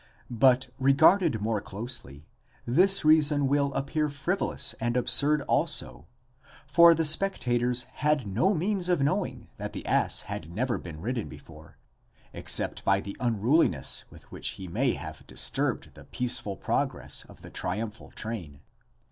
But regarded more closely, this reason will appear frivolous, and absurd also ; for the spectators had no means of knowing that the ass had never been ridden before, except by the unruliness with which he may have disturbed the peaceful progress of the triumphal train.